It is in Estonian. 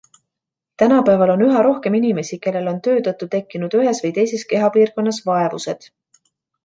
Tänapäeval on üha rohkem inimesi, kellel on töö tõttu tekkinud ühes või teises kehapiirkonnas vaevused.